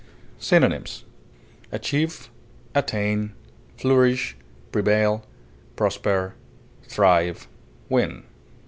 Synonyms: achieve, attain, flourish, prevail, prosper, thrive, win.